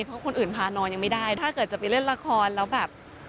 เพราะคนอื่นพานอนยังไม่ได้ถ้าเกิดจะไปเล่นละครแล้วแบบ